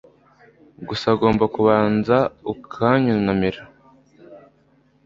gusa ugomba kubanza uka nyunamira